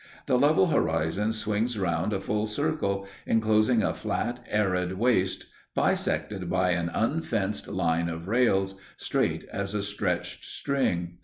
The level horizon swings round a full circle, enclosing a flat, arid waste, bisected by an unfenced line of rails, straight as a stretched string.